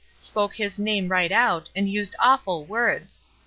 spoke His name right out, and used awful words.